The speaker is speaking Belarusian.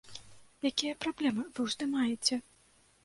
Якія праблемы вы ўздымаеце?